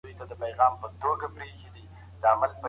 زه به اوږده موده د ورزش کولو تمرين کړی وم.